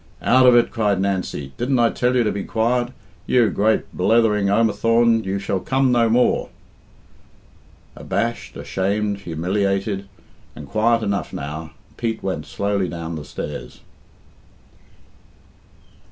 "Out of it," cried Nancy. "Didn't I tell you to be quiet? You great blethering omathaun, you shall come no more." Abashed, ashamed, humiliated, and quiet enough now, Pete went slowly down the stairs.